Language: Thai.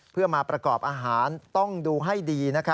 เพื่อมาประกอบอาหารต้องดูให้ดี